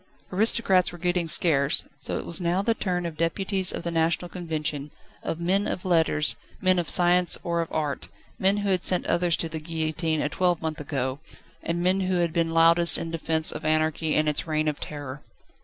Aristocrats were getting scarce, so it was now the turn of deputies of the National Convention, of men of letters, men of science or of art, men who had sent others to the guillotine a twelvemonth ago, and men who had been loudest in defence of anarchy and its Reign of Terror.